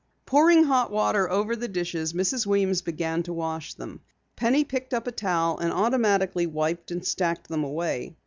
Pouring hot water over the dishes, Mrs. Weems began to wash them. Penny picked up a towel and automatically wiped and stacked them away.